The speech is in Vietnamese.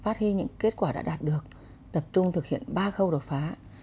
phát huy những kết quả đã đạt được tập trung thực hiện ba khâu đột phá